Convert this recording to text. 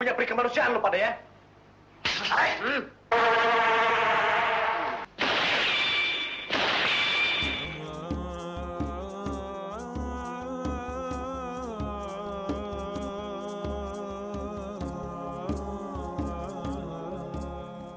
punya prika manusiaan lo pada ya